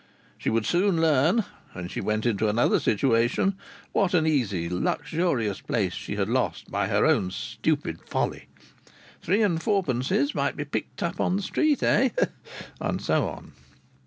She would soon learn, when she went into another situation, what an easy, luxurious place she had lost by her own stupid folly! Three and fourpences might be picked up in the street, eh? And so on.